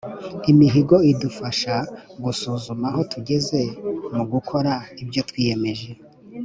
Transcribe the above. imihigo idufasha gusuzuma aho tugeze mugukora ibyo twiyemeje